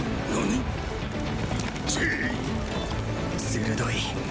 鋭い。